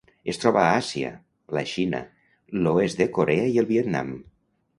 Es troba a Àsia: la Xina, l'oest de Corea i el Vietnam.